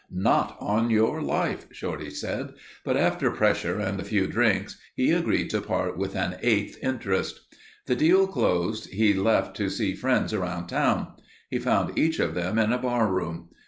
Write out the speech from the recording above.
"Not on your life," Shorty said, but after pressure and a few drinks, he agreed to part with an eighth interest. The deal closed, he left to see friends around town. He found each of them in a barroom.